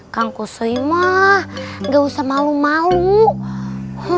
tangguh soi mah nggak usah malu malu